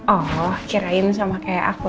oh kirain sama kayak aku